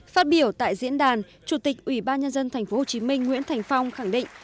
phát biểu tại diễn đàn chủ tịch ủy ban nhân dân tp hcm nguyễn thành phong khẳng định